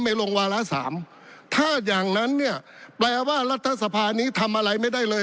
ลงวาระสามถ้าอย่างนั้นเนี่ยแปลว่ารัฐสภานี้ทำอะไรไม่ได้เลย